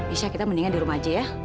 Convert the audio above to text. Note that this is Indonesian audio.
isyah kita mendingan di rumah aja ya